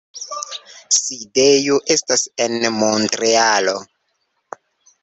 Sidejo estas en Montrealo.